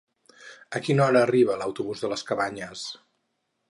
A quina hora arriba l'autobús de les Cabanyes?